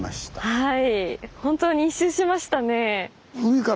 はい。